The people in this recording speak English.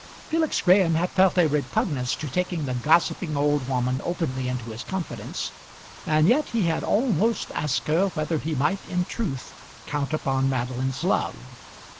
Felix Graham had felt a repugnance to taking the gossiping old woman openly into his confidence, and yet he had almost asked her whether he might in truth count upon Madeline's love.